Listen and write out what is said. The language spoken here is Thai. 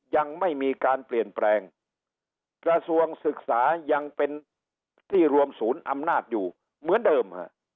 ยังไม่มีการเปลี่ยนแปลงกระทรวงศึกษายังเป็นที่รวมศูนย์อำนาจอยู่เหมือนเดิมฮะ